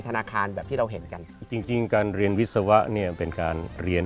ธนาคารแบบที่เราเห็นกันจริงการเรียนวิศวะเนี่ยเป็นการเรียน